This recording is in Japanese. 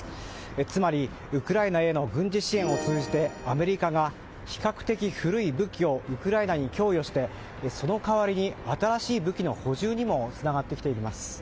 つまり、ウクライナへの軍事支援を通じてアメリカが比較的古い武器をウクライナに供与してその代わりに、新しい武器の補充にもつながってきています。